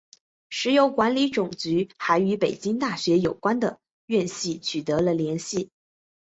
石油管理总局还与北京大学有关的院系取得了联系。